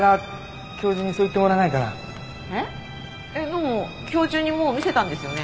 でも教授にもう見せたんですよね？